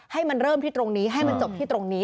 ให้มันเริ่มที่ตรงนี้ให้มันจบที่ตรงนี้